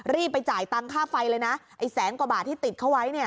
รีบไปจ่ายตังค่าไฟเลยนะไอ้แสนกว่าบาทที่ติดเขาไว้เนี่ย